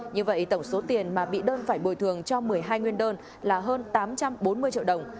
như vậy tổng số tiền mà bị đơn phải bồi thường cho một mươi hai nguyên đơn là hơn tám trăm bốn mươi triệu đồng